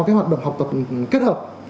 cái hoạt động học tập kết hợp